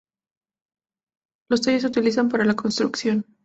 Los tallos se utilizan para la construcción.